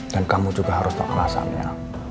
dan kamu juga harus tau kelasannya